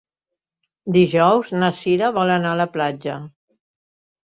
Dijous na Cira vol anar a la platja.